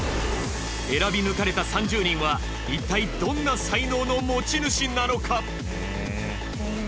選び抜かれた３０人はいったいどんな才能の持ち主なのか。